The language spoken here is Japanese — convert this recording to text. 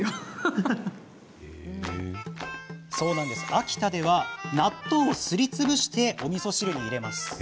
秋田では、納豆をすりつぶしておみそ汁に入れます。